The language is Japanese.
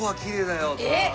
えっ？